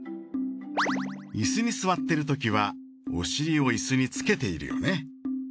椅子に座っているときはお尻を椅子につけているよね。